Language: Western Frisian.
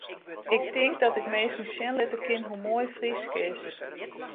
Ik tink dat ik minsken sjen litte kin hoe moai Frysk is.